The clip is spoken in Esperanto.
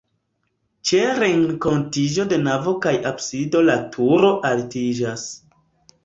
Ĉe renkontiĝo de navo kaj absido la turo altiĝas.